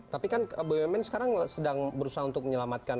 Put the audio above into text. tapi kan bumn sekarang sedang berusaha untuk menyelamatkan